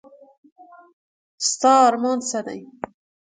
ستا ارمان څه دی ؟